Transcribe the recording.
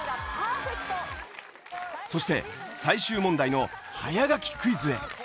そして最終問題の早書きクイズへ。